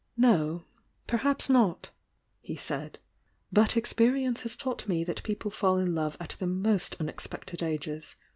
"No — perhaps not," he said. "But, experience has taught me that people fall in love at the most un expected ages.